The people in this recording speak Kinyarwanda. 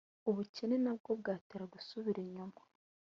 ubukene nabwo bwatera gusubira inyuma